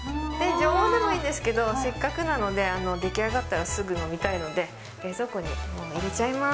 常温でもいいですけど、せっかくなので、出来あがったらすぐ飲みたいので冷蔵庫にもう入れちゃいます。